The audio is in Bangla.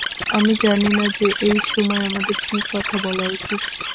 আমি জানি না যে এই সময় আমাদের কী কথা বলা উচিত।